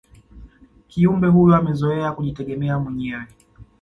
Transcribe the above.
kiumbe huyo amezoea kujitegemea mwenyewe